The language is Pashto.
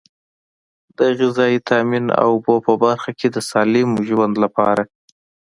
د غذایي تامین او اوبو په برخه کې د سالم ژوند لپاره.